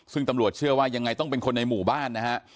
ซึ่งตำรวจเชื่อว่ายังไงต้องเป็นคนในหมู่บ้านนะฮะ